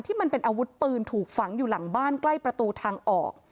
มันเป็นอาวุธปืนถูกฝังอยู่หลังบ้านใกล้ประตูทางออก